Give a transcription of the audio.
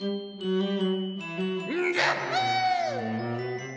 うん！